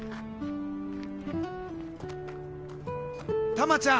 たまちゃん。